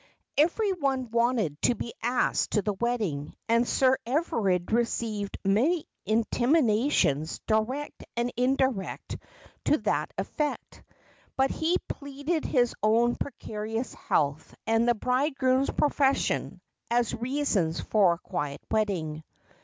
Every one wanted to be asked to the wedding, and Sir Everard received many intimations direct and indirect oi 1 Just as I Am. to that effect; but lie pleaded las own precarious liealtb, and the bridegroom's profession, as reasons for a quiet wedding.